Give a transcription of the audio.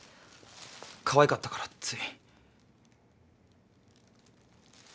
かわいかったからつい。